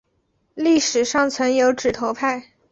历史上曾有指头派。